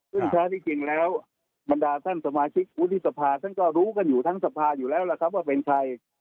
ซึ่งแท้ที่จริงแล้วบรรดาท่านสมาชิกวุฒิสภาท่านก็รู้กันอยู่ทั้งสภาอยู่แล้วล่ะครับว่าเป็นใคร